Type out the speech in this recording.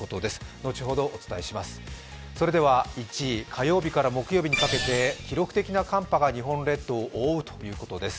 後ほどお伝えします、それでは１位、火曜日から木曜日にかけて記録的な寒波が日本列島を覆うということです。